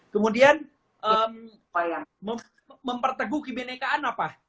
kemudian memperteguh kebinekaan apa